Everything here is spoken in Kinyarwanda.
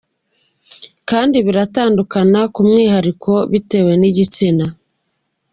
Kandi biratandukana ku mwihariko, bitewe n'igitsina.